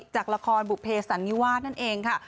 จากละครบุภเพสันนิวาสนั่นเองค่ะ